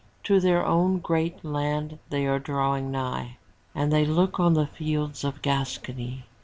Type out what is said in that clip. To their own great land they are drawing nigh. And they look on the fields of Gascony.